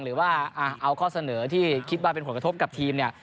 หรือว่าเอาข้อเสนอที่คิดว่าเป็นผลกระทบกับทีมเนี่ย